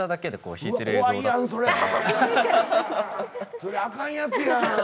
それあかんやつやん。